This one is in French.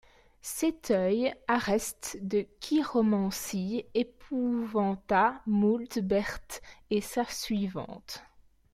Cettuy arrest de chiromancie espouvanta moult Berthe et sa suyvante.